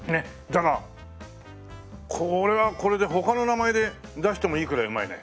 だがこれはこれで他の名前で出してもいいくらいうまいね。